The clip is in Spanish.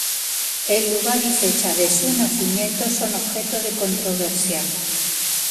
El lugar y fecha de su nacimiento son objeto de controversia.